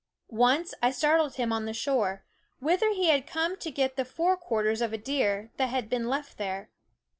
Once I startled him on the shore, whither he had come to get the fore quarters of a deer that had been left there.